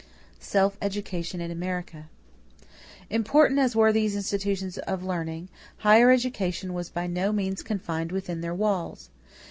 =Self education in America.= Important as were these institutions of learning, higher education was by no means confined within their walls.